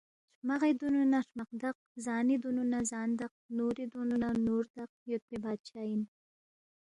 ہرمغی دُونُو نہ ہرمق دق، زانی دُونُو نہ زان دق، نوری دُونُو نہ نور دق یودپی بادشاہ اِن